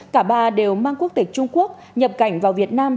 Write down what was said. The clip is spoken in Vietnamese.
cả ba đều mang quốc tịch trung quốc nhập cảnh vào việt nam